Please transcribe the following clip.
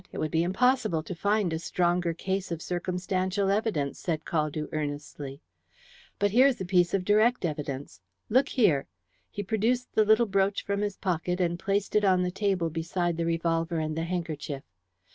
It would be impossible to find a stronger case of circumstantial evidence," said Caldew earnestly. "But here is a piece of direct evidence. Look here!" He produced the little brooch from his pocket and placed it on the table beside the revolver and the handkerchief.